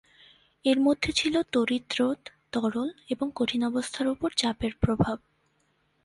এর মধ্যে ছিল তড়িৎ রোধ, তরল এবং কঠিন অবস্থার উপর চাপের প্রভাব।